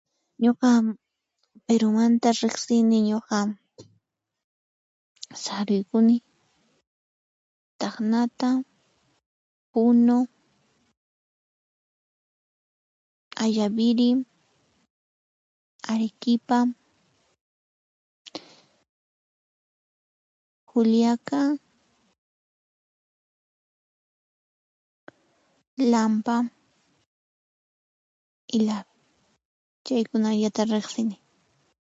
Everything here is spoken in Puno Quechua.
Ñuqa Perúmanta riqsini Ñuqa: Saruykuni, Tacnata, Puno, Ayaviri, Arequipa, Juliaca, Lampa, Ilave. Chaykunallata riqsini.